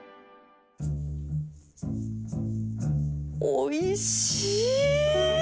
おいしい！